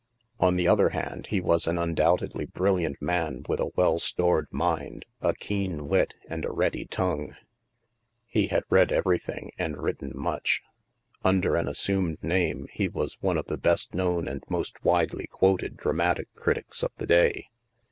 On the other hand, he was an undoubtedly bril liant man with a well stored mind, a keen wit, and a ready tongue. He had read everything and writ ten much. Under an assumed name, he was one of the best known and most widely quoted dramatic critics of the day.